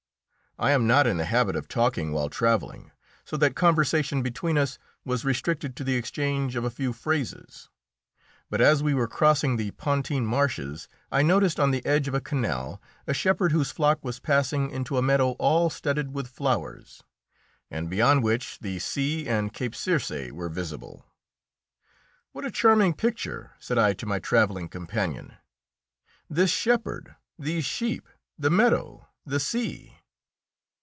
I am not in the habit of talking while travelling, so that conversation between us was restricted to the exchange of a few phrases. But as we were crossing the Pontine marshes, I noticed on the edge of a canal a shepherd whose flock was passing into a meadow all studded with flowers, and beyond which the sea and Cape Circe were visible. "What a charming picture!" said I to my travelling companion. "This shepherd, these sheep, the meadow, the sea!"